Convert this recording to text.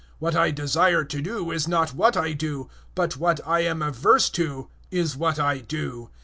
What I desire to do is not what I do, but what I am averse to is what I do.